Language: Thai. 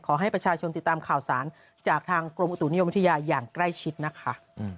ขอให้ประชาชนติดตามข่าวสารจากทางกรมอุตุนิยมวิทยาอย่างใกล้ชิดนะคะ